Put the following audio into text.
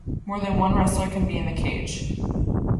More than one wrestler can be in the cage.